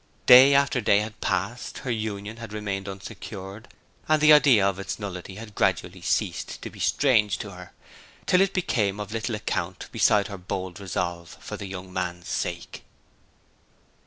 Day after day had passed; her union had remained unsecured, and the idea of its nullity had gradually ceased to be strange to her; till it became of little account beside her bold resolve for the young man's sake.